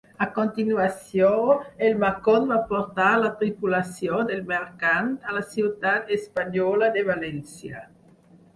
A continuació, el "Macon" va portar la tripulació del mercant a la ciutat espanyola de València.